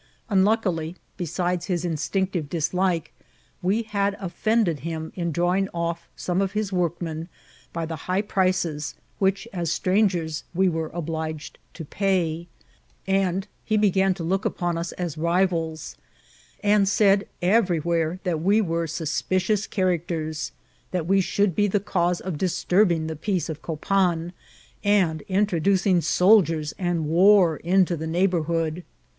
Unluckily, besides his instinctive dislike, we had offended him in drawing off some of his workmen by the high prices which, as strangers, we were obliged to pay, and he began to look upon us as rivsds, and said every where that we were suspicious characters; that we should be the cause of disturbing the peace of Copan, and introducing soldiers and war into the neighbour hood.